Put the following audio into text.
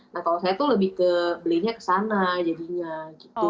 nah kalau saya tuh lebih ke belinya ke sana jadinya gitu